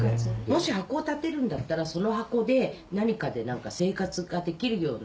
もし箱を建てるんだったらその箱で何かで何か生活ができるような。